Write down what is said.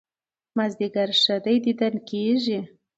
مازيګر ښه دى ديدن کېږي